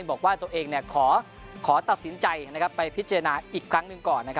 บอกว่าตัวเองขอตัดสินใจไปพิจารณาอีกครั้งหนึ่งก่อน